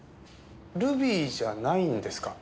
ルビーじゃないんですか？